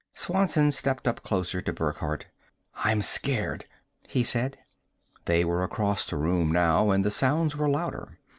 Swanson stepped up closer to Burckhardt. "I'm scared," he said. They were across the room now and the sounds were louder.